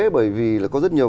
bởi vì là có rất nhiều